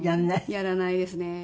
やらないですね。